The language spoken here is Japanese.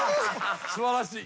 素晴らしい。